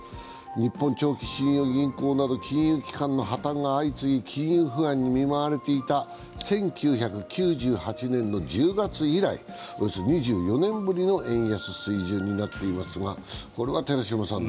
日本長期信用銀行など金融機関の破綻が相次ぎ金融不安に見舞われていた１９９８年１０月以来、およそ２４年ぶりの円安水準になっています。